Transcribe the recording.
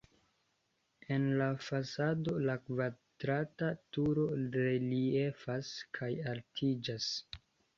En la fasado la kvadrata turo reliefas kaj altiĝas.